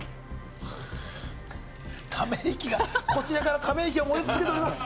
ため息がこちらからため息が漏れ続けております